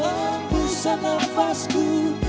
sejak hapusan nafasku